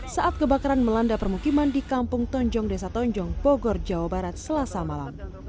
saat kebakaran melanda permukiman di kampung tonjong desa tonjong bogor jawa barat selasa malam